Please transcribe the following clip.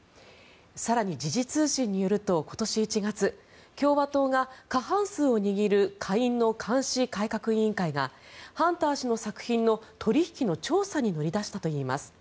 更に時事通信によると今年１月共和党が過半数を握る下院の監視・改革委員会がハンター氏の作品の取引の調査に乗り出したといいます。